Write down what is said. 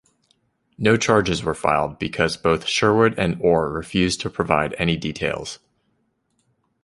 No charges were filed because both Sherwood and Ore refused to provide any details.